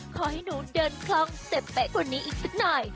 ขอให้หนูเดินคล่องเสปแปะคนนี้อีกสักหน่อย